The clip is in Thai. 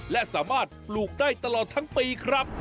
และสามารถปลูกได้ตลอดทั้งปีครับ